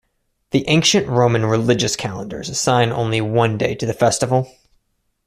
The ancient Roman religious calendars assign only one day to the festival.